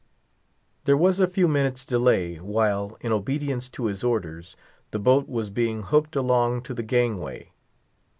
There was a few minutes' delay, while, in obedience to his orders, the boat was being hooked along to the gangway.